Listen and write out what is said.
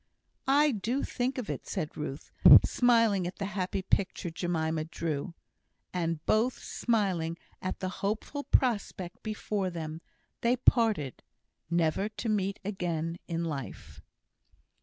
"I do think of it," said Ruth, smiling at the happy picture Jemima drew. And both smiling at the hopeful prospect before them, they parted never to meet again in life.